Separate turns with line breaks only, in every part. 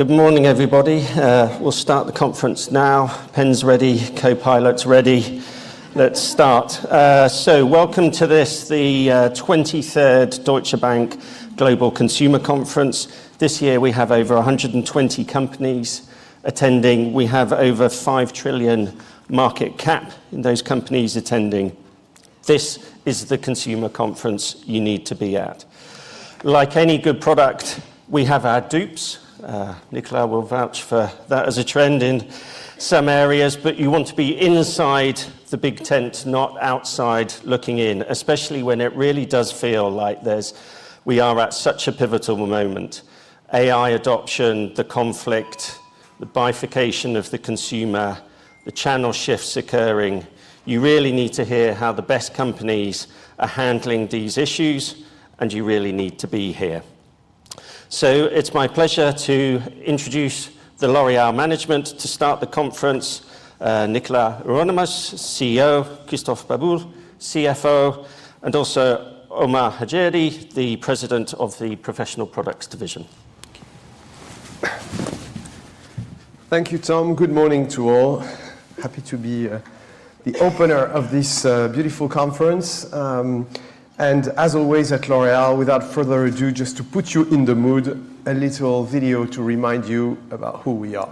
Good morning, everybody. We'll start the conference now. Pens ready, co-pilots ready. Let's start. Welcome to this, the 23rd annual dbAccess Global Consumer Conference. This year we have over 120 companies attending. We have over 5 trillion market cap in those companies attending. This is the consumer conference you need to be at. Like any good product, we have our dupes. Nicolas will vouch for that as a trend in some areas, but you want to be inside the big tent, not outside looking in, especially when it really does feel like we are at such a pivotal moment. AI adoption, the conflict, the bifurcation of the consumer, the channel shifts occurring. You really need to hear how the best companies are handling these issues, and you really need to be here. It's my pleasure to introduce the L'Oréal management to start the conference. Nicolas Hieronimus, CEO, Christophe Babule, CFO, and also Omar Hajeri, the President of the Professional Products Division.
Thank you, Tom. Good morning to all. Happy to be the opener of this beautiful conference. As always at L'Oréal, without further ado, just to put you in the mood, a little video to remind you about who we are.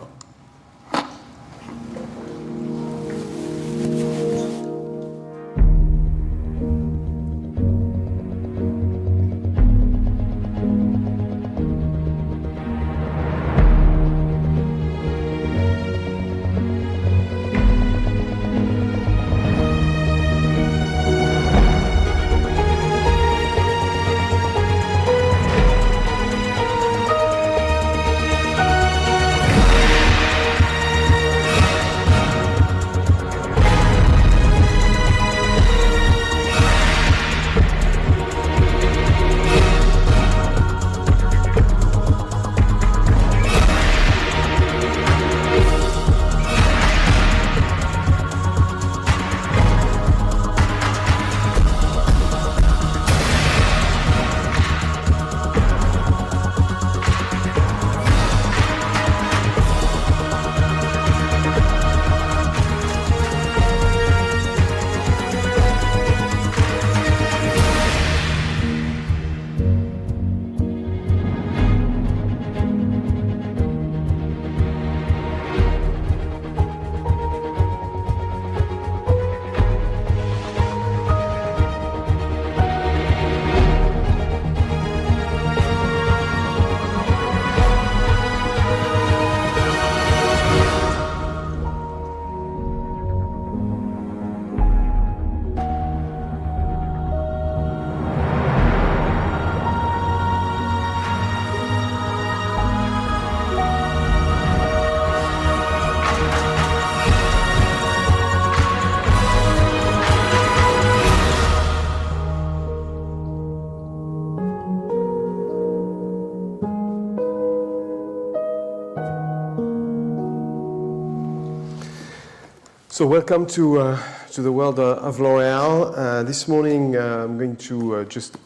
Welcome to the world of L'Oréal. This morning I'm going to just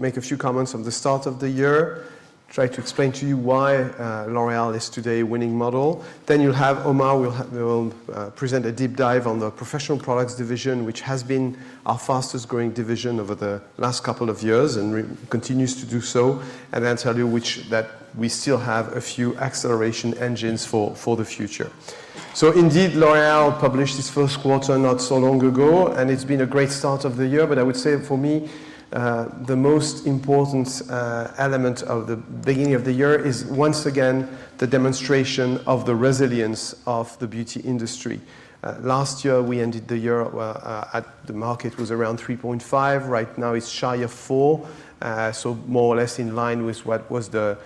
make a few comments on the start of the year, try to explain to you why L'Oréal is today a winning model. Omar will present a deep dive on the Professional Products Division, which has been our fastest-growing division over the last couple of years and continues to do so, and then tell you that we still have a few acceleration engines for the future. Indeed, L'Oréal published its 1st quarter not so long ago, and it's been a great start of the year, but I would say for me, the most important element of the beginning of the year is once again the demonstration of the resilience of the beauty industry. Last year, we ended the year at the market was around 3.5. Right now it's shy of 4.0, so more or less in line with what was the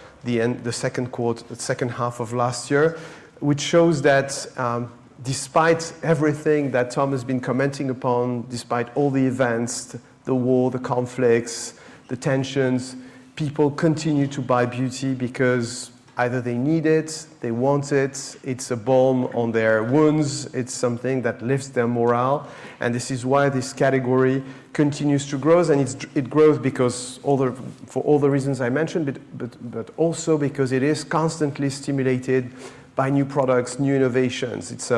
second half of last year, which shows that despite everything that Tom has been commenting upon, despite all the events, the war, the conflicts, the tensions, people continue to buy beauty because either they need it, they want it's a balm on their wounds, it's something that lifts their morale, and this is why this category continues to grow. It grows for all the reasons I mentioned, but also because it is constantly stimulated by new products, new innovations. It's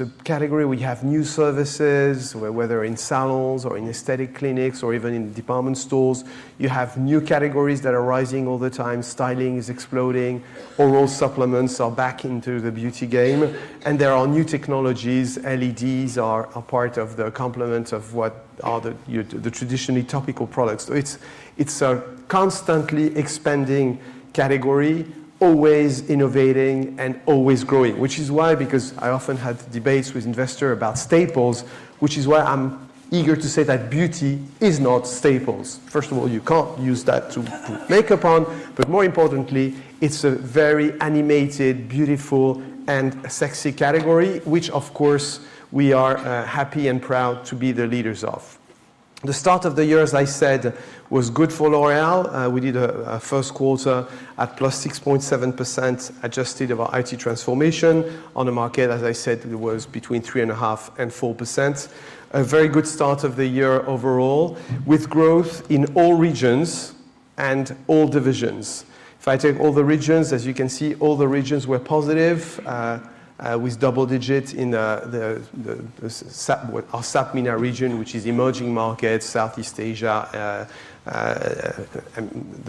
a category where you have new services, whether in salons or in aesthetic clinics or even in department stores. You have new categories that are rising all the time. Styling is exploding. Oral supplements are back into the beauty game. There are new technologies. LEDs are a part of the complement of what are the traditionally topical products. It's a constantly expanding category, always innovating and always growing. I often have debates with investors about staples, which is why I'm eager to say that beauty is not staples. First of all, you can't use that to put makeup on, but more importantly, it's a very animated, beautiful, and sexy category, which of course we are happy and proud to be the leaders of. The start of the year, as I said, was good for L'Oréal. We did a first quarter at +6.7% adjusted of our IT transformation. On the market, as I said, it was between 3.5% and 4.0%. A very good start of the year overall with growth in all regions and all divisions. If I take all the regions, as you can see, all the regions were positive, with double digits in our SAPMENA region, which is emerging markets, Southeast Asia, and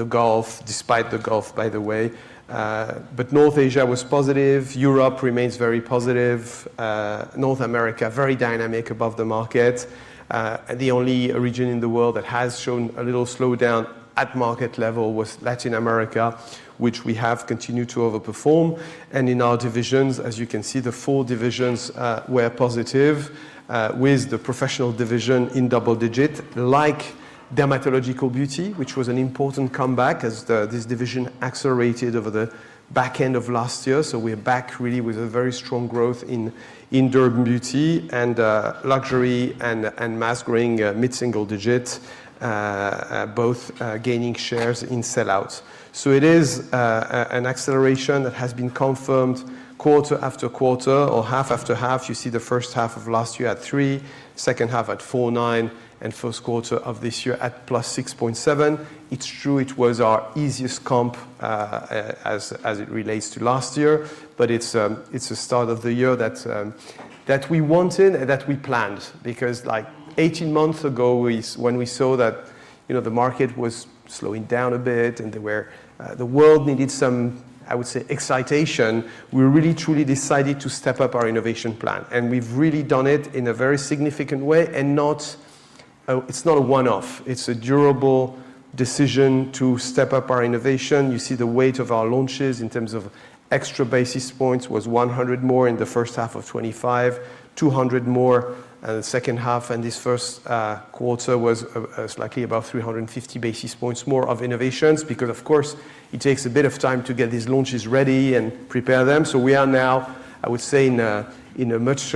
despite the Gulf, by the way. North Asia was positive. Europe remains very positive. North America, very dynamic above the market. The only region in the world that has shown a little slowdown at market level was Latin America, which we have continued to over-perform. In our divisions, as you can see, the four divisions were positive, with the Professional Division in double digit. Like Dermatological Beauty, which was an important comeback as this division accelerated over the back end of last year. We are back really with a very strong growth in Dermatological Beauty and Luxury and Mass growing mid-single digits, both gaining shares in sell-outs. It is an acceleration that has been confirmed quarter after quarter or half after half. You see the first half of last year at three, second half at 4.9, and first quarter of this year at +6.7. It's true it was our easiest comp, as it relates to last year, but it's a start of the year that we wanted and that we planned because 18 months ago, when we saw that the market was slowing down a bit and the world needed some, I would say, excitation, we really truly decided to step up our innovation plan. We've really done it in a very significant way, and it's not a one-off. It's a durable decision to step up our innovation. You see the weight of our launches in terms of extra basis points was 100 more in the first half of 2025, 200 more second half, and this first quarter was slightly above 350 basis points more of innovations because, of course, it takes a bit of time to get these launches ready and prepare them. We are now, I would say, in a much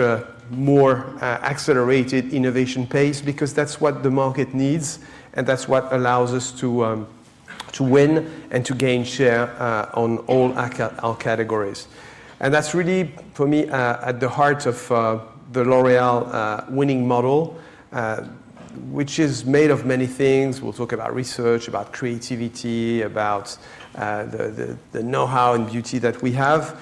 more accelerated innovation pace because that's what the market needs, and that's what allows us to win and to gain share on all our categories. That's really, for me, at the heart of the L'Oréal winning model, which is made of many things. We'll talk about research, about creativity, about the know-how and beauty that we have.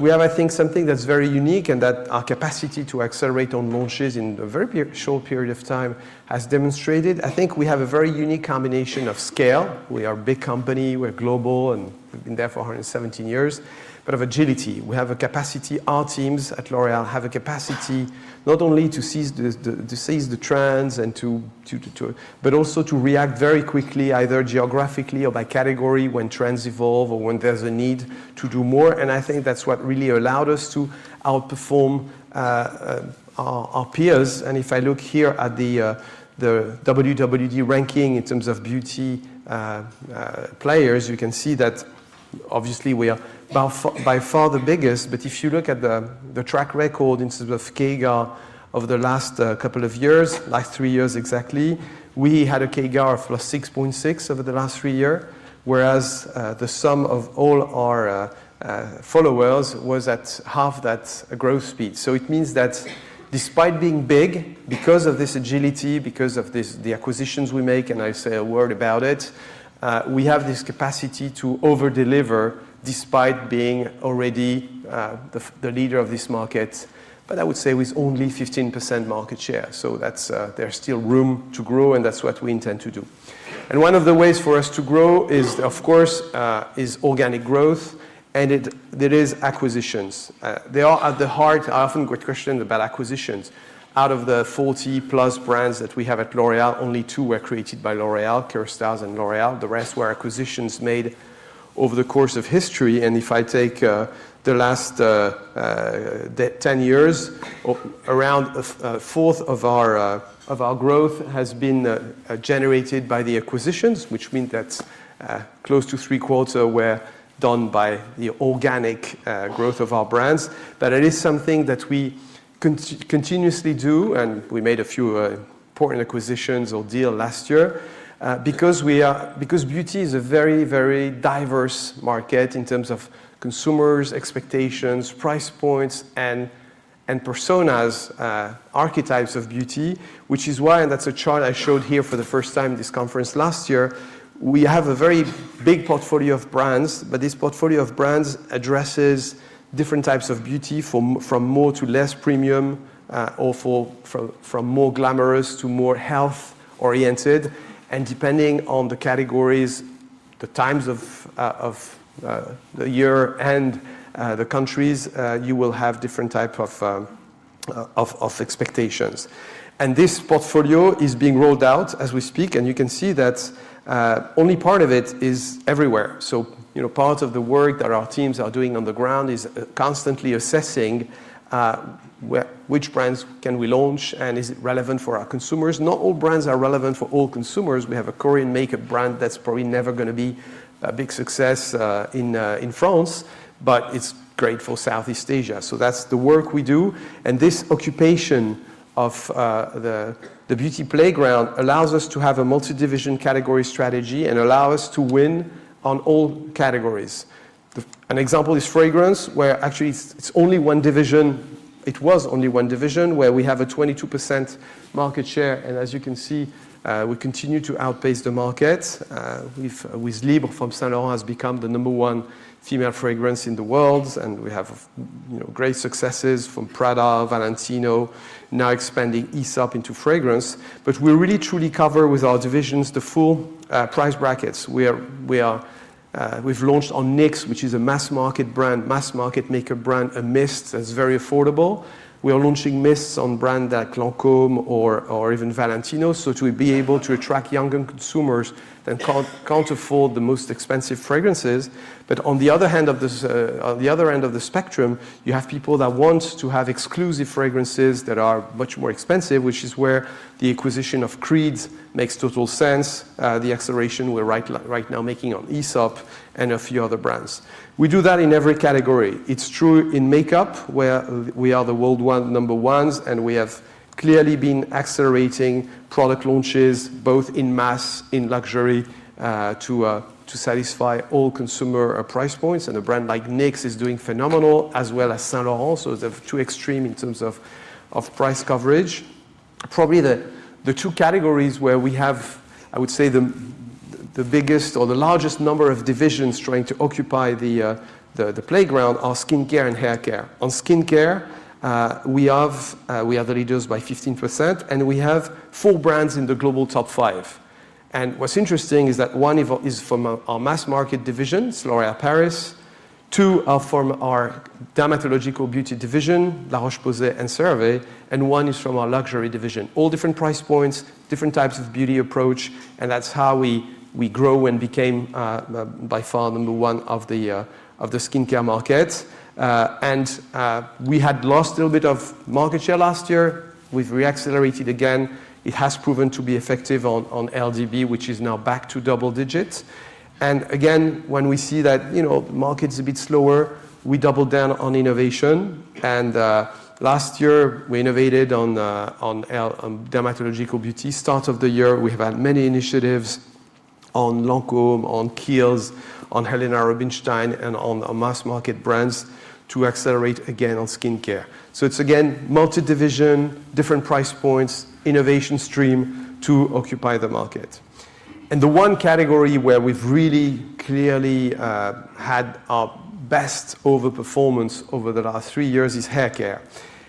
We have, I think, something that's very unique and that our capacity to accelerate on launches in a very short period of time has demonstrated. I think we have a very unique combination of scale, we are a big company, we're global, and we've been there for 117 years, but of agility. Our teams at L'Oréal have a capacity not only to seize the trends but also to react very quickly, either geographically or by category, when trends evolve or when there's a need to do more. I think that's what really allowed us to outperform our peers. If I look here at the WWD ranking in terms of beauty players, you can see that obviously we are by far the biggest. If you look at the track record in terms of CAGR over the last couple of years, like three years exactly, we had a CAGR of +6.6 over the last three year, whereas the sum of all our followers was at half that growth speed. It means that despite being big, because of this agility, because of the acquisitions we make, and I say a word about it, we have this capacity to over-deliver despite being already the leader of this market. I would say with only 15% market share, so there's still room to grow, and that's what we intend to do. One of the ways for us to grow is, of course, is organic growth, and there is acquisitions. They are at the heart. I often get questioned about acquisitions. Out of the 40+ brands that we have at L'Oréal, only two were created by L'Oréal, Kérastase and L'Oréal. The rest were acquisitions made over the course of history. If I take the last 10 years, around a fourth of our growth has been generated by the acquisitions, which mean that close to 3/4 were done by the organic growth of our brands. It is something that we continuously do, and we made a few important acquisitions or deal last year because beauty is a very diverse market in terms of consumers' expectations, price points, and personas, archetypes of beauty. That is why, and that's a chart I showed here for the first time this conference last year, we have a very big portfolio of brands. This portfolio of brands addresses different types of beauty from more to less premium, or from more glamorous to more health-oriented, and depending on the categories, the times of the year, and the countries, you will have different type of expectations. This portfolio is being rolled out as we speak, and you can see that only part of it is everywhere. Part of the work that our teams are doing on the ground is constantly assessing which brands can we launch and is it relevant for our consumers. Not all brands are relevant for all consumers. We have a Korean makeup brand that's probably never going to be a big success in France, but it's great for Southeast Asia. That's the work we do, and this occupation of the beauty playground allows us to have a multi-division category strategy and allow us to win on all categories. An example is fragrance, where actually it was only one division where we have a 22% market share, and as you can see, we continue to outpace the market. Libre from Saint Laurent has become the number one female fragrance in the world, and we have great successes from Prada, Valentino, now expanding Aesop into fragrance. We really truly cover with our divisions the full price brackets. We've launched on NYX, which is a mass-market makeup brand, a mist that's very affordable. We are launching mists on brands like Lancôme or even Valentino. To be able to attract younger consumers that can't afford the most expensive fragrances. On the other end of the spectrum, you have people that want to have exclusive fragrances that are much more expensive, which is where the acquisition of Creed makes total sense, the acceleration we're right now making on Aesop, and a few other brands. We do that in every category. It's true in makeup, where we are the world number ones, and we have clearly been accelerating product launches, both in mass, in luxury, to satisfy all consumer price points. A brand like NYX is doing phenomenal, as well as Saint Laurent. They're two extreme in terms of price coverage. Probably the two categories where we have, I would say, the biggest or the largest number of divisions trying to occupy the playground are skincare and haircare. On skincare, we are the leaders by 15%, and we have four brands in the global top five. What's interesting is that one is from our mass-market division, L'Oréal Paris, two are from our Dermatological Beauty Division, La Roche-Posay and CeraVe, and one is from our luxury division. All different price points, different types of beauty approach, and that's how we grow and became by far number one of the skincare market. We had lost a little bit of market share last year. We've re-accelerated again. It has proven to be effective on LDB, which is now back to double digits. Again, when we see that the market's a bit slower, we double down on innovation. Last year, we innovated on Dermatological Beauty. Start of the year, we've had many initiatives on Lancôme, on Kiehl's, on Helena Rubinstein, and on our mass-market brands to accelerate again on skincare. It's again, multi-division, different price points, innovation stream to occupy the market. The one category where we've really clearly had our best over performance over the last three years is haircare.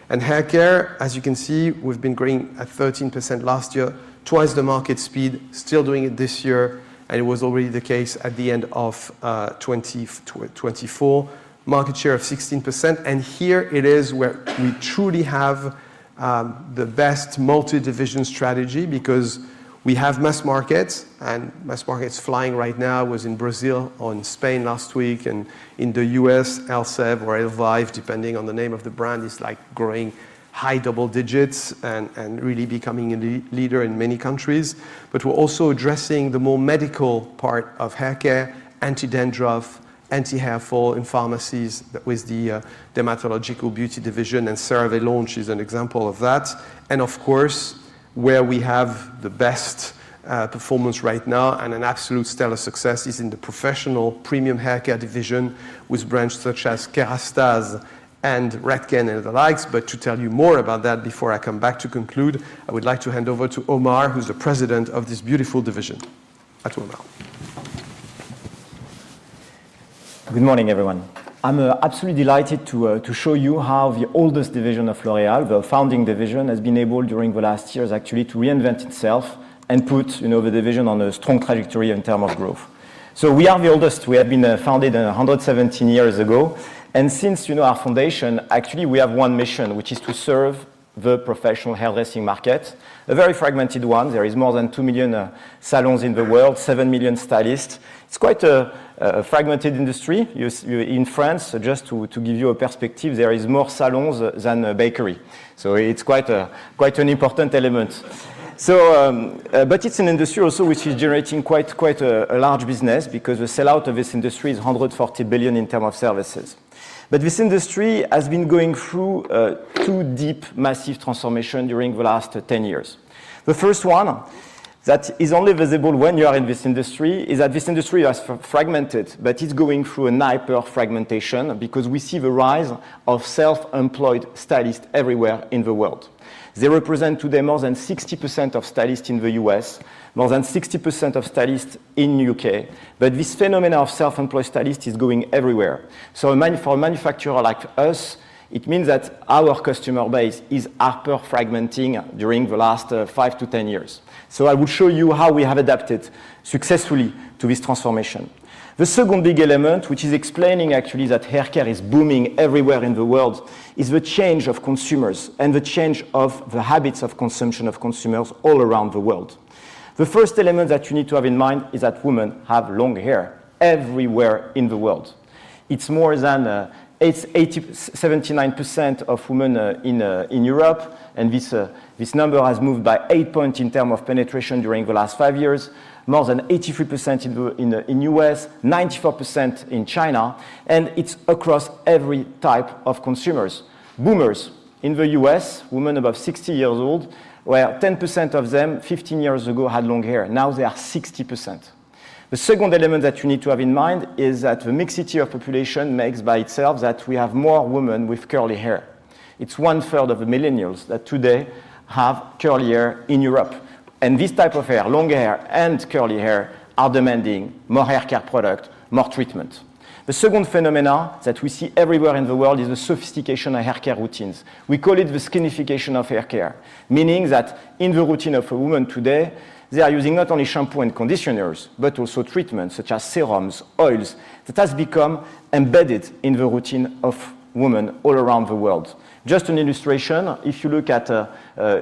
Haircare, as you can see, we've been growing at 13% last year, twice the market speed, still doing it this year, and it was already the case at the end of 2024. Market share of 16%. Here it is where we truly have the best multi-division strategy because we have mass markets, and mass market's flying right now. I was in Brazil or in Spain last week, in the U.S., Elvive, depending on the name of the brand, is growing high double digits and really becoming a leader in many countries. We're also addressing the more medical part of haircare, anti-dandruff, anti-hair fall in pharmacies with the Dermatological Beauty Division, and CeraVe launch is an example of that. Of course, where we have the best performance right now and an absolute stellar success is in the Professional Products Division with brands such as Kérastase and Redken and the likes. To tell you more about that before I come back to conclude, I would like to hand over to Omar, who's the president of this beautiful division.
Good morning, everyone. I'm absolutely delighted to show you how the oldest division of L'Oréal, the founding division, has been able during the last years actually to reinvent itself and put the division on a strong trajectory in terms of growth. We are the oldest. We have been founded 117 years ago. Since our foundation, actually, we have one mission, which is to serve the professional hairdressing market, a very fragmented one. There is more than two million salons in the world, seven million stylists. It's quite a fragmented industry. In France, just to give you a perspective, there is more salons than bakeries. It's quite an important element. It's an industry also which is generating quite a large business because the sell-out of this industry is 140 billion in terms of services. This industry has been going through two deep, massive transformation during the last 10 years. The first one that is only visible when you are in this industry is that this industry is fragmented, but it's going through a hyper fragmentation because we see the rise of self-employed stylists everywhere in the world. They represent today more than 60% of stylists in the U.S., more than 60% of stylists in U.K. This phenomenon of self-employed stylists is going everywhere. For a manufacturer like us, it means that our customer base is hyper fragmenting during the last five to 10 years. I will show you how we have adapted successfully to this transformation. The second big element, which is explaining actually that haircare is booming everywhere in the world, is the change of consumers and the change of the habits of consumption of consumers all around the world. The first element that you need to have in mind is that women have long hair everywhere in the world. It's 79% of women in Europe, and this number has moved by eight point in term of penetration during the last five years, more than 83% in U.S., 94% in China, and it's across every type of consumers. Boomers. In the U.S., women above 60 years old, where 10% of them 15 years ago had long hair, now they are 60%. The second element that you need to have in mind is that the mixity of population makes by itself that we have more women with curly hair. It's 1/3 of the millennials that today have curly hair in Europe. This type of hair, long hair and curly hair, are demanding more haircare product, more treatment. The second phenomenon that we see everywhere in the world is the sophistication of haircare routines. We call it the skinification of haircare, meaning that in the routine of a woman today, they are using not only shampoo and conditioners, but also treatments such as serums, oils. That has become embedded in the routine of women all around the world. Just an illustration, if you look at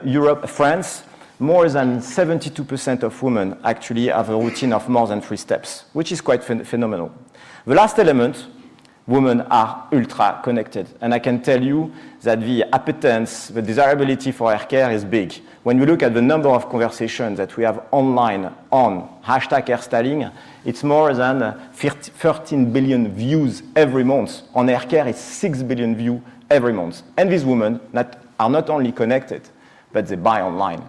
Europe, France, more than 72% of women actually have a routine of more than three steps, which is quite phenomenal. The last element, women are ultra-connected, and I can tell you that the appetite, the desirability for haircare is big. When we look at the number of conversations that we have online on #hairstyling, it's more than 13 billion views every month. On haircare, it's six billion views every month. These women are not only connected, but they buy online.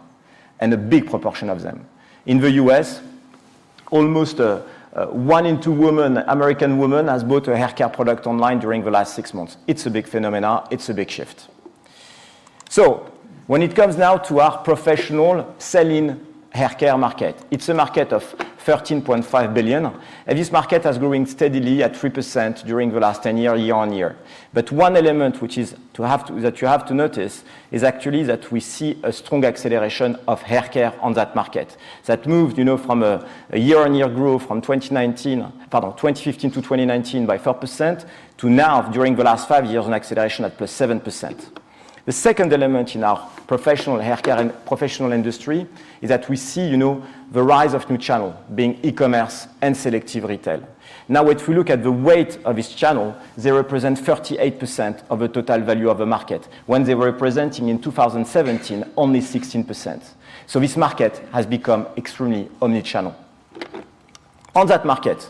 A big proportion of them, in the U.S., almost one in two American women has bought a haircare product online during the last six months. It's a big phenomenon. It's a big shift. When it comes now to our professional selling haircare market, it's a market of 13.5 billion. This market has grown steadily at 3% during the last 10 years year-on-year. One element that you have to notice is actually that we see a strong acceleration of haircare on that market. That moved from a year-over-year growth from 2015 to 2019 by 4%, to now during the last five years, an acceleration at +7%. The second element in our professional haircare and professional industry is that we see the rise of new channel, being e-commerce and selective retail. Now, if we look at the weight of this channel, they represent 38% of the total value of the market, when they were representing in 2017 only 16%. This market has become extremely omnichannel. On that market,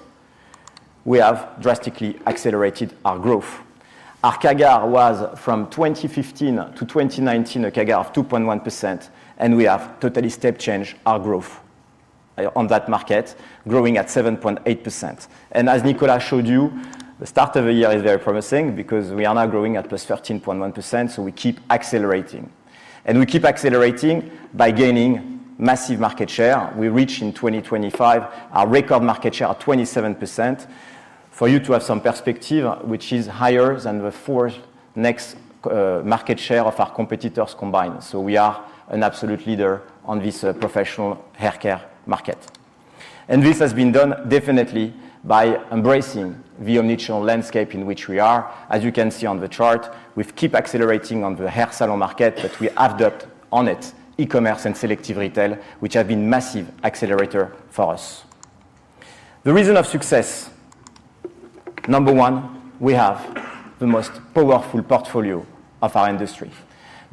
we have drastically accelerated our growth. Our CAGR was from 2015 to 2019, a CAGR of 2.1%, and we have totally step-changed our growth on that market, growing at 7.8%. As Nicolas showed you, the start of the year is very promising because we are now growing at +13.1%, so we keep accelerating. We keep accelerating by gaining massive market share. We reach in 2025 our record market share of 27%. For you to have some perspective, which is higher than the next market share of our competitors combined. We are an absolute leader on this professional haircare market. This has been done definitely by embracing the omnichannel landscape in which we are. As you can see on the chart, we keep accelerating on the hair salon market, but we adapt on it e-commerce and selective retail, which have been massive accelerator for us. The reason of success. Number one, we have the most powerful portfolio of our industry.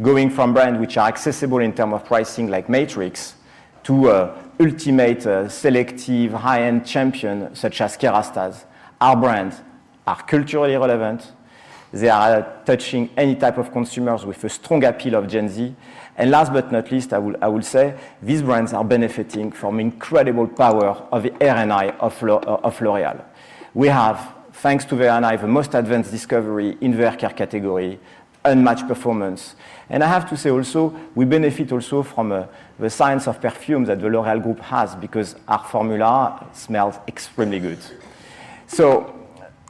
Going from brands which are accessible in term of pricing like Matrix to ultimate selective high-end champion such as Kérastase. Our brands are culturally relevant. They are touching any type of consumers with a strong appeal of Gen Z. Last but not least, I would say these brands are benefiting from incredible power of the R&I of L'Oréal. We have, thanks to the R&I, the most advanced discovery in the haircare category, unmatched performance. I have to say also, we benefit also from the science of perfume that the L'Oréal Group has, because our formula smells extremely good.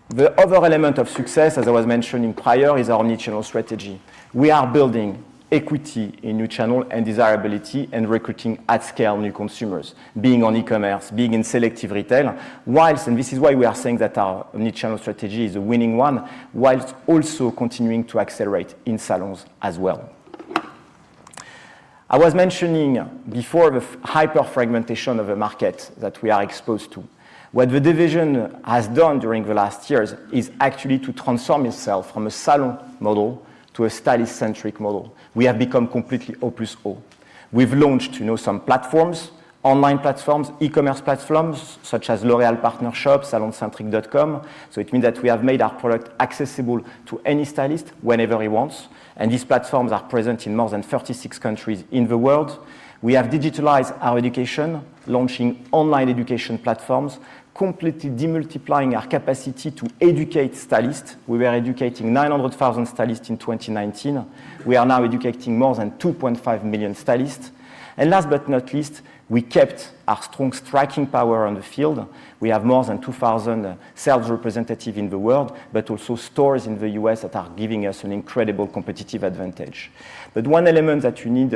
The other element of success, as I was mentioning prior, is omnichannel strategy. We are building equity in new channel and desirability and recruiting at scale new consumers, being on e-commerce, being in selective retail. Whilst, and this is why we are saying that our omnichannel strategy is a winning one, whilst also continuing to accelerate in salons as well. I was mentioning before the hyperfragmentation of the market that we are exposed to. What the division has done during the last years is actually to transform itself from a salon model to a stylist-centric model. We have become completely O+O. We've launched some platforms, online platforms, e-commerce platforms such as L'Oréal Partner Shop, saloncentric.com. It means that we have made our product accessible to any stylist whenever he wants, and these platforms are present in more than 36 countries in the world. We have digitalized our education, launching online education platforms, completely demultiplying our capacity to educate stylists. We were educating 900,000 stylists in 2019. We are now educating more than 2.5 million stylists. Last but not least, we kept our strong striking power on the field. We have more than 2,000 sales representatives in the world, but also stores in the U.S. that are giving us an incredible competitive advantage. One element that you need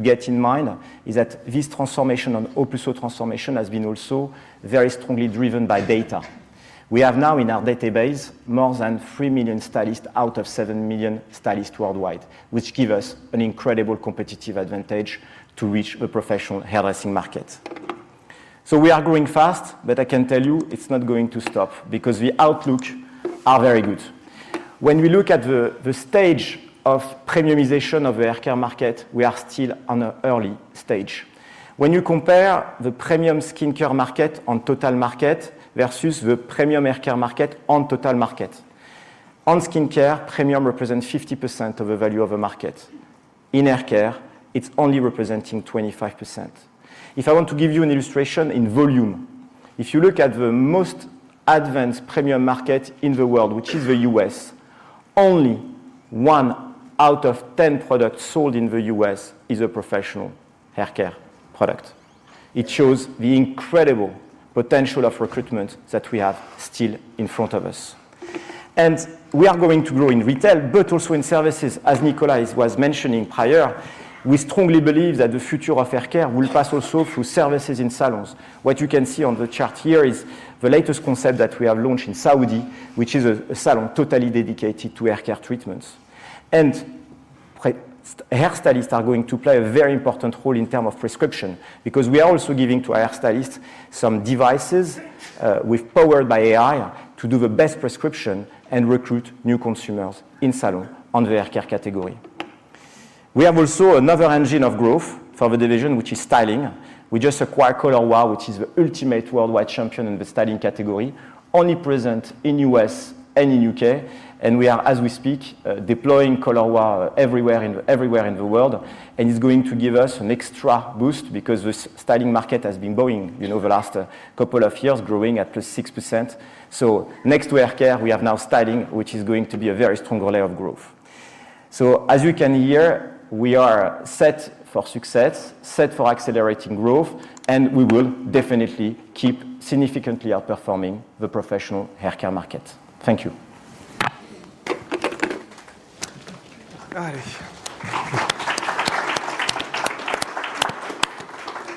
to get in mind is that this transformation on O+O transformation has been also very strongly driven by data. We have now in our database more than three million stylists out of seven million stylists worldwide, which give us an incredible competitive advantage to reach the professional hairdressing market. We are growing fast, but I can tell you it's not going to stop because the outlook are very good. When we look at the stage of premiumization of the haircare market, we are still on an early stage. When you compare the premium skincare market on total market versus the premium haircare market on total market. On skincare, premium represents 50% of the value of the market. In haircare, it's only representing 25%. If I want to give you an illustration in volume. If you look at the most advanced premium market in the world, which is the U.S., only one out of 10 products sold in the U.S. is a professional haircare product. It shows the incredible potential of recruitment that we have still in front of us. We are going to grow in retail, but also in services. As Nicolas was mentioning prior, we strongly believe that the future of haircare will pass also through services in salons. What you can see on the chart here is the latest concept that we have launched in Saudi, which is a salon totally dedicated to haircare treatments. Hairstylists are going to play a very important role in terms of prescription, because we are also giving to our stylists some devices, powered by AI, to do the best prescription and recruit new consumers in salon on the haircare category. We have also another engine of growth for the division, which is styling. We just acquired Color Wow, which is the ultimate worldwide champion in the styling category, only present in U.S. and in U.K. We are, as we speak, deploying Color Wow everywhere in the world. It's going to give us an extra boost because the styling market has been booming the last couple of years, growing at +6%. Next to haircare, we have now styling, which is going to be a very strong layer of growth. As you can hear, we are set for success, set for accelerating growth, and we will definitely keep significantly outperforming the professional haircare market. Thank you.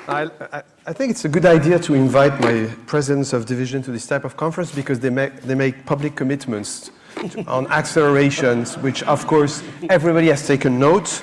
I think it's a good idea to invite my presidents of division to this type of conference because they make public commitments on accelerations, which of course, everybody has taken note.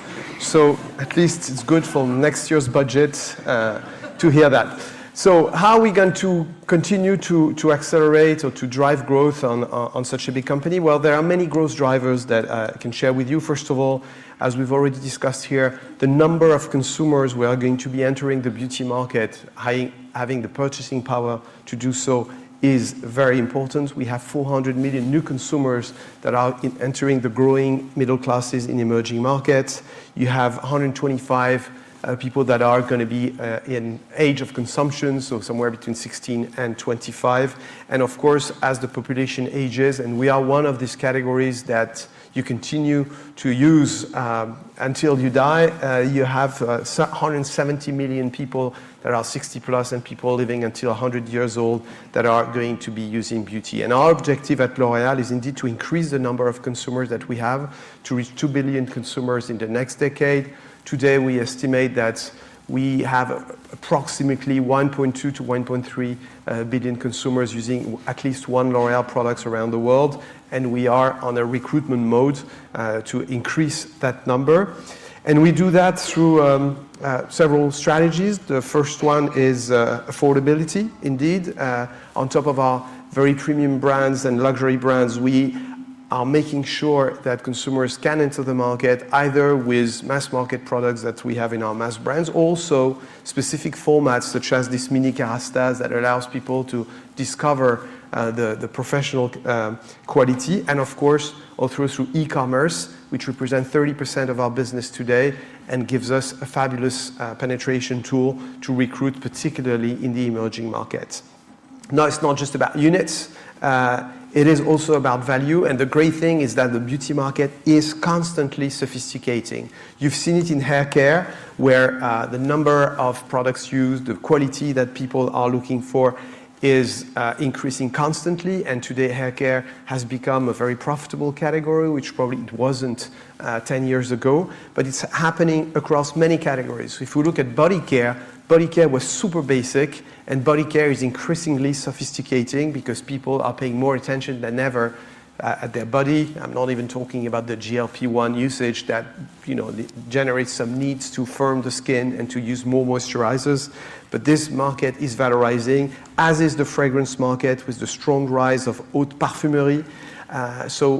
At least it's good for next year's budget to hear that. How are we going to continue to accelerate or to drive growth on such a big company? There are many growth drivers that I can share with you. First of all, as we've already discussed here, the number of consumers who are going to be entering the beauty market, having the purchasing power to do so is very important. We have 400 million new consumers that are entering the growing middle classes in emerging markets. You have 125 people that are going to be in age of consumption, somewhere between 16 and 25. Of course, as the population ages, and we are one of these categories that you continue to use until you die, you have 170 million people that are 60+ and people living until 100 years old that are going to be using beauty. Our objective at L'Oréal is indeed to increase the number of consumers that we have to reach two billion consumers in the next decade. Today, we estimate that we have approximately 1.2 billion-1.3 billion consumers using at least one L'Oréal products around the world. We are on a recruitment mode to increase that number. We do that through several strategies. The first one is affordability. Indeed, on top of our very premium brands and luxury brands, we are making sure that consumers can enter the market either with mass market products that we have in our mass brands. Specific formats such as this Mini Kérastase that allows people to discover the professional quality, and of course, all through e-commerce, which represent 30% of our business today and gives us a fabulous penetration tool to recruit, particularly in the emerging markets. It's not just about units. It is also about value, and the great thing is that the beauty market is constantly sophisticating. You've seen it in haircare, where the number of products used, the quality that people are looking for is increasing constantly. Today, haircare has become a very profitable category, which probably it wasn't 10 years ago. It's happening across many categories. If we look at body care, body care was super basic, and body care is increasingly sophisticating because people are paying more attention than ever at their body. I'm not even talking about the GLP-1 usage that generates some needs to firm the skin and to use more moisturizers. This market is valorizing, as is the fragrance market with the strong rise of haute parfumerie.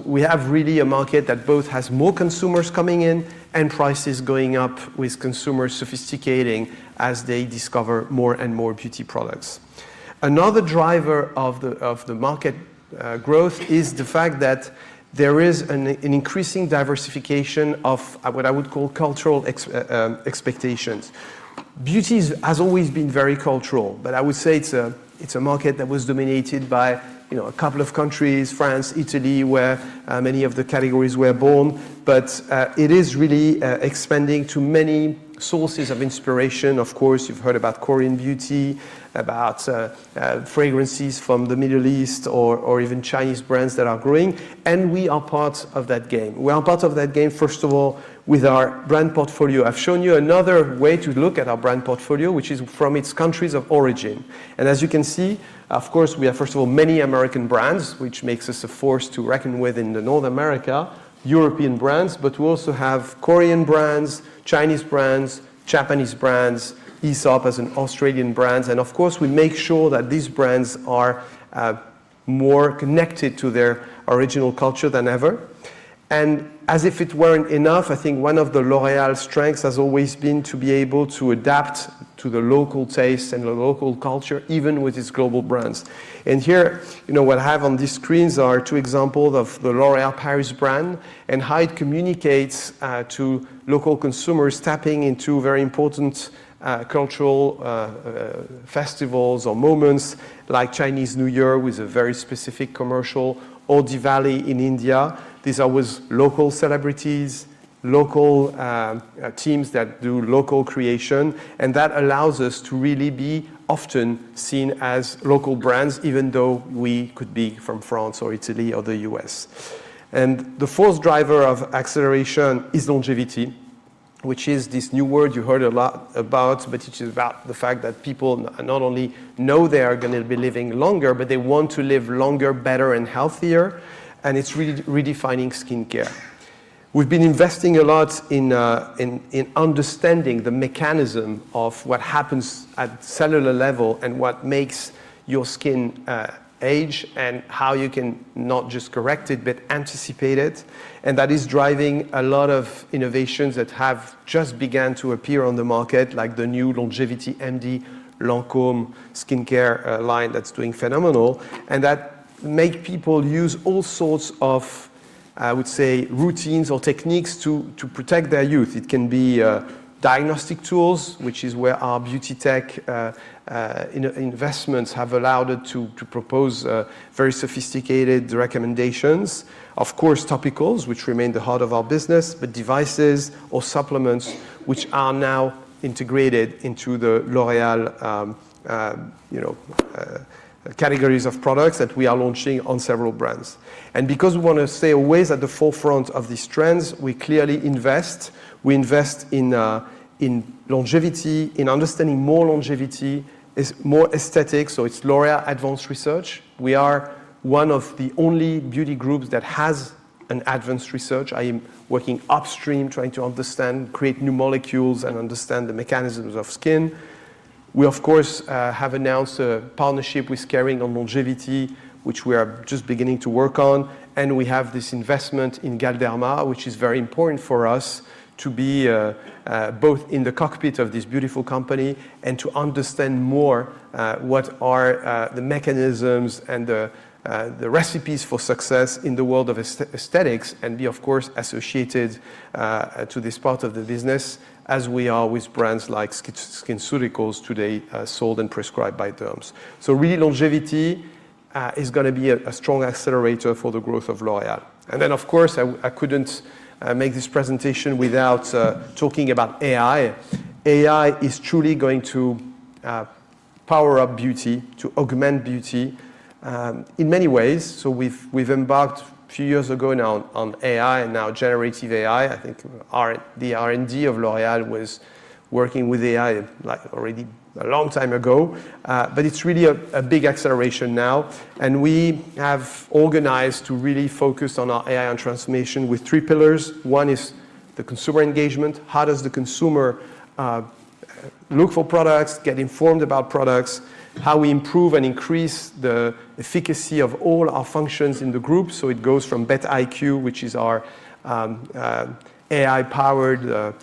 We have really a market that both has more consumers coming in and prices going up with consumers sophisticating as they discover more and more beauty products. Another driver of the market growth is the fact that there is an increasing diversification of what I would call cultural expectations. Beauty has always been very cultural, I would say it's a market that was dominated by a couple of countries, France, Italy, where many of the categories were born. It is really expanding to many sources of inspiration. You've heard about Korean beauty, about fragrances from the Middle East or even Chinese brands that are growing. We are part of that game. We are part of that game, first of all, with our brand portfolio. I've shown you another way to look at our brand portfolio, which is from its countries of origin. As you can see, of course, we have, first of all, many American brands, which makes us a force to reckon with in the North America, European brands. We also have Korean brands, Chinese brands, Japanese brands, Aesop as an Australian brands. Of course, we make sure that these brands are more connected to their original culture than ever. As if it weren't enough, I think one of L'Oréal's strengths has always been to be able to adapt to the local tastes and the local culture, even with its global brands. Here, what I have on these screens are two examples of the L'Oréal Paris brand and how it communicates to local consumers, tapping into very important cultural festivals or moments like Chinese New Year with a very specific commercial, or Diwali in India. These are with local celebrities, local teams that do local creation, and that allows us to really be often seen as local brands, even though we could be from France or Italy or the U.S. The fourth driver of acceleration is longevity, which is this new word you heard a lot about, but it is about the fact that people not only know they are going to be living longer, but they want to live longer, better, and healthier. It's redefining skincare. We've been investing a lot in understanding the mechanism of what happens at cellular level and what makes your skin age, and how you can not just correct it, but anticipate it. That is driving a lot of innovations that have just begun to appear on the market, like the new Absolue Longevity MD Lancôme skincare line that's doing phenomenal, and that make people use all sorts of, I would say, routines or techniques to protect their youth. It can be diagnostic tools, which is where our beauty tech investments have allowed it to propose very sophisticated recommendations. Of course, topicals, which remain the heart of our business, but devices or supplements which are now integrated into the L'Oréal categories of products that we are launching on several brands. Because we want to stay always at the forefront of these trends, we clearly invest. We invest in longevity, in understanding more longevity, more aesthetics, so it's L'Oréal Advanced Research. We are one of the only beauty groups that has an advanced research. I am working upstream trying to understand, create new molecules, and understand the mechanisms of skin. We, of course, have announced a partnership with Kering on longevity, which we are just beginning to work on. We have this investment in Galderma, which is very important for us to be both in the cockpit of this beautiful company and to understand more what are the mechanisms and the recipes for success in the world of aesthetics and be, of course, associated to this part of the business, as we are with brands like SkinCeuticals today, sold and prescribed by derms. Really, longevity is going to be a strong accelerator for the growth of L'Oréal. Of course, I couldn't make this presentation without talking about AI. AI is truly going to power up beauty, to augment beauty in many ways. We've embarked a few years ago now on AI and now generative AI. I think the R&D of L'Oréal was working with AI already a long time ago. It's really a big acceleration now, and we have organized to really focus on our AI and transformation with three pillars. One is the consumer engagement. How does the consumer look for products, get informed about products? How we improve and increase the efficacy of all our functions in the group. It goes from BETiq, which is our AI-powered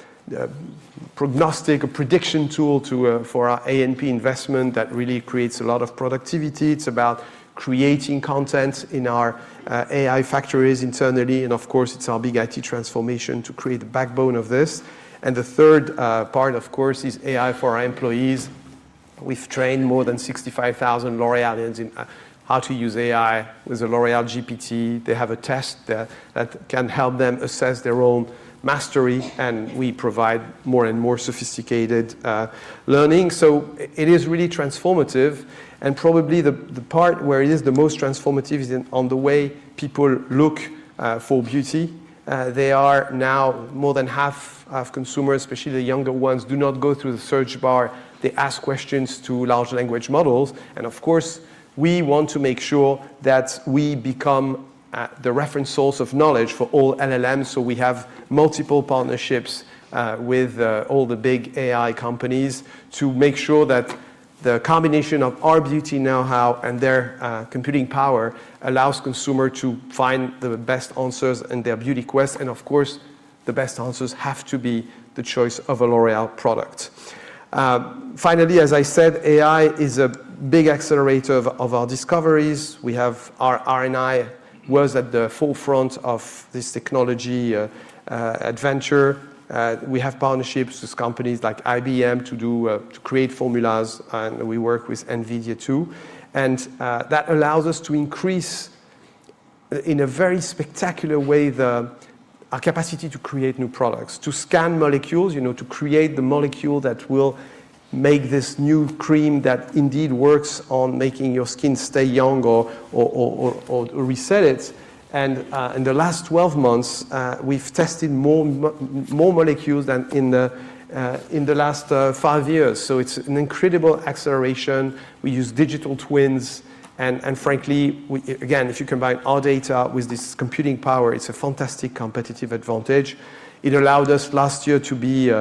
prognostic prediction tool for our A&P investment that really creates a lot of productivity. It's about creating content in our AI factories internally, and of course, it's our big IT transformation to create the backbone of this. The third part, of course, is AI for our employees. We've trained more than 65,000 L'Oréalians in how to use AI with the L'Oréal GPT. They have a test that can help them assess their own mastery, and we provide more and more sophisticated learning. It is really transformative, and probably the part where it is the most transformative is on the way people look for beauty. They are now more than half of consumers, especially the younger ones, do not go through the search bar. They ask questions to large language models, and of course, we want to make sure that we become the reference source of knowledge for all LLMs. We have multiple partnerships with all the big AI companies to make sure that the combination of our beauty know-how and their computing power allows consumer to find the best answers in their beauty quest. Of course, the best answers have to be the choice of a L'Oréal product. Finally, as I said, AI is a big accelerator of our discoveries. Our R&I was at the forefront of this technology adventure. We have partnerships with companies like IBM to create formulas. We work with Nvidia too. That allows us to increase in a very spectacular way our capacity to create new products, to scan molecules, to create the molecule that will make this new cream that indeed works on making your skin stay young or reset it. In the last 12 months, we've tested more molecules than in the last five years. It's an incredible acceleration. We use digital twins. Frankly, again, if you combine our data with this computing power, it's a fantastic competitive advantage. It allowed us last year to be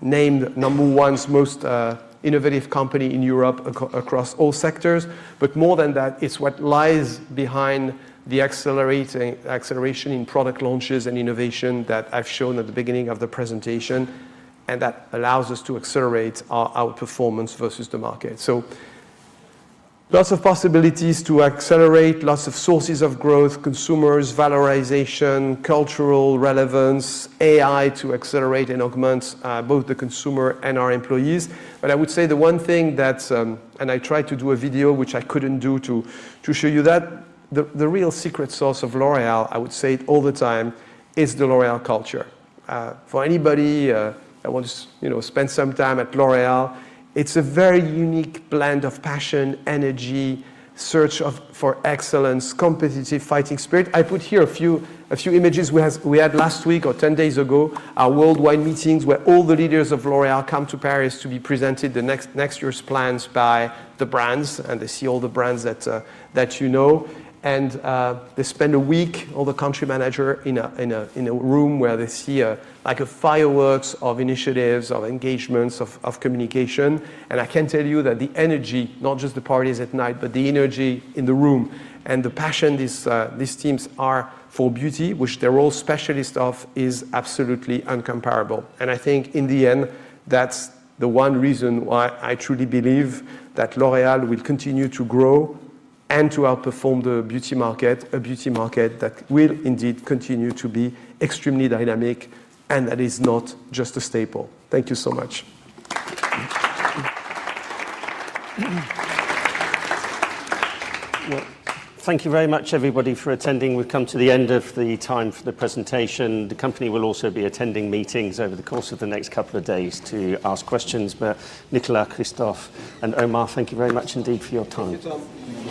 named number one's most innovative company in Europe across all sectors. More than that, it's what lies behind the acceleration in product launches and innovation that I've shown at the beginning of the presentation, and that allows us to accelerate our outperformance versus the market. Lots of possibilities to accelerate, lots of sources of growth, consumers, valorization, cultural relevance, AI to accelerate and augment both the consumer and our employees. I would say the one thing that I tried to do a video, which I couldn't do to show you that. The real secret sauce of L'Oréal, I would say it all the time, is the L'Oréal culture. For anybody that wants to spend some time at L'Oréal, it's a very unique blend of passion, energy, search for excellence, competitive fighting spirit. I put here a few images we had last week or 10 days ago, our worldwide meetings where all the leaders of L'Oréal come to Paris to be presented the next year's plans by the brands. They see all the brands that you know. They spend a week, all the country manager, in a room where they see a fireworks of initiatives, of engagements, of communication. I can tell you that the energy, not just the parties at night, but the energy in the room and the passion these teams are for beauty, which they're all specialists of, is absolutely incomparable. I think in the end, that's the one reason why I truly believe that L'Oréal will continue to grow and to outperform the beauty market, a beauty market that will indeed continue to be extremely dynamic, and that is not just a staple. Thank you so much.
Well, thank you very much, everybody, for attending. We've come to the end of the time for the presentation. The company will also be attending meetings over the course of the next couple of days to ask questions. Nicolas, Christophe, and Omar, thank you very much indeed for your time.
Thank you, Tom.